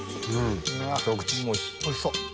おいしそう！